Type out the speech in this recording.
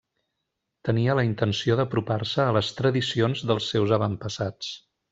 Tenia la intenció d'apropar-se a les tradicions dels seus avantpassats.